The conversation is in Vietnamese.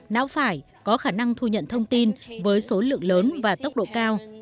não phải có khả năng thu nhận thông tin với số lượng lớn và tốc độ cao